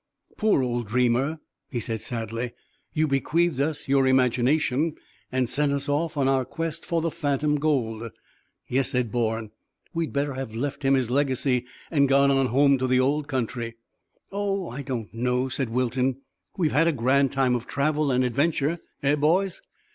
"Poor old dreamer!" he said sadly. "You bequeathed us your imagination, and sent us off on our quest for the phantom gold." "Yes," said Bourne; "we'd better have left him his legacy and gone on home to the old country." "Oh, I don't know," said Wilton. "We've had a grand time of travel and adventure, eh, boys?"